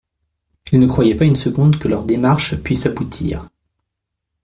Il ne croyait pas une seconde que leur démarche puisse aboutir.